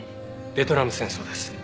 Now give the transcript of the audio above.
ベトナム戦争です。